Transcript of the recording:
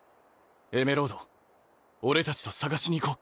エメロード俺たちと捜しに行こう。